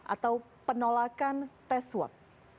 atau penolakan test swab